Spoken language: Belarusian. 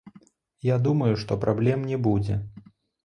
Я думаю, што праблем не будзе.